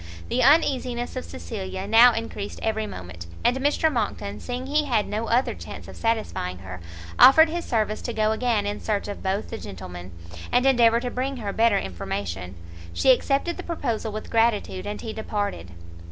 The uneasiness of Cecilia now encreased every moment; and Mr Monckton, seeing he had no other chance of satisfying her, offered his service to go again in search of both the gentlemen, and endeavour to bring her better information. She accepted the proposal with gratitude, and he departed.